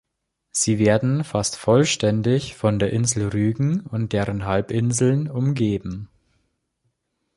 Sie werden fast vollständig von der Insel Rügen und deren Halbinseln umgeben.